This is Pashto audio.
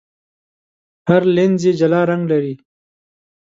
هر لینز یې جلا رنګ لري.